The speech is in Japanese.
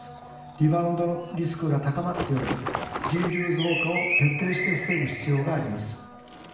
リバウンドのリスクが高まっており、人流増加を徹底して防ぐ必要があります。